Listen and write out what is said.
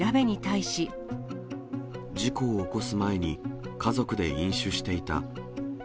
事故を起こす前に、家族で飲酒していた。